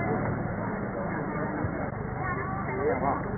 สวัสดีครับ